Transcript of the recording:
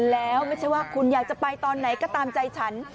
แล้วไม่ใช่ว่าคุณอยากจะไปตอนไหนก็ตามใจฉัน